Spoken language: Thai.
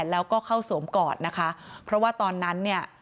แล้วก็เข้าสวมกอดนะคะเพราะว่าตอนนั้นเนี่ย